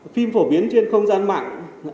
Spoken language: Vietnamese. phim phổ biến trên không gian mạng